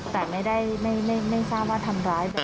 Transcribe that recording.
แต่ไม่ทราบว่าทำร้าย